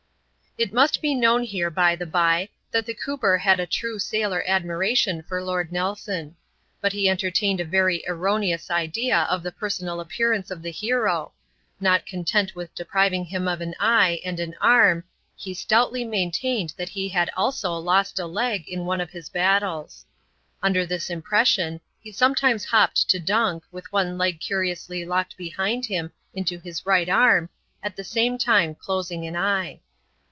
It must be known here, by the by, that the cooper had a true sailor admiration for Lord Nelson. But he entertained a very erroneous idea of the personal appearance of the hero. Not content with depriving him of an eye, and an arm, he stoutly maintained that he had also lost a leg in one of his battles. Under this impression, he sometimes hopped up to Dunk, with one leg curiously locked behind him into his nght arm^ at the same time closing an eye.